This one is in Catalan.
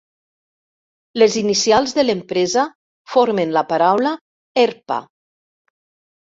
Les inicials de l'empresa formen la paraula "Herpa".